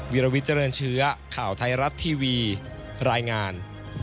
วิลวิทเจริญเชื้อข่าวไทยรัฐทีวีรายงาน